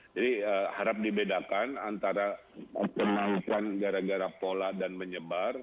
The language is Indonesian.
jadi harap dibedakan antara penarikan gara gara pola dan menyebar